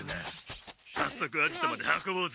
さっそくアジトまで運ぼうぜ！